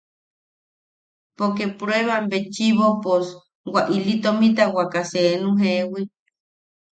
Poke pruebambetchiʼibo pos wa ili tomita waata seenu jewi.